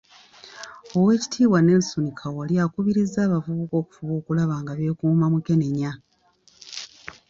Oweekitiibwa Nelson Kawalya akubirizza abavubuka okufuba okulaba nga beekuuma mukenenya.